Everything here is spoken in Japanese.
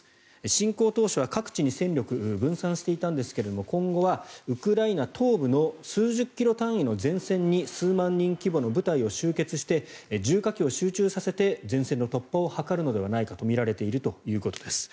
侵攻当初は各地に戦力を分散していたんですが今後はウクライナ東部の数十キロ単位の前線に数万人規模の部隊を集結して重火器を集中させて前線の突破を図るのではないかとみられているということです。